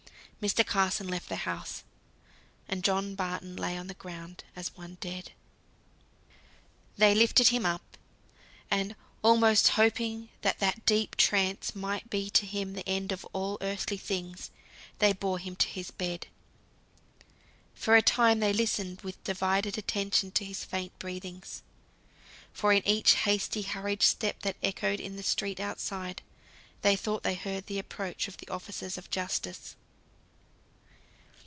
Mr. Carson left the house. And John Barton lay on the ground as one dead. They lifted him up, and almost hoping that that deep trance might be to him the end of all earthly things, they bore him to his bed. For a time they listened with divided attention to his faint breathings; for in each hasty hurried step that echoed in the street outside, they thought they heard the approach of the officers of justice.